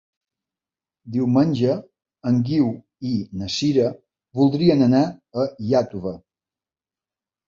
Diumenge en Guiu i na Sira voldrien anar a Iàtova.